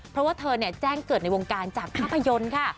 เพราะว่าเธอแจ้งเกิดในวงการจากภาพยนตร์ค่ะ